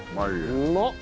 うまっ！